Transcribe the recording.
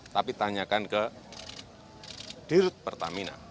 tapi tanyakan ke dirut pertamina